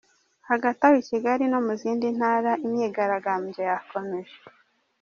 Hagati aho i Kigali no mu zindi ntara imyigaragambyo yakomeje!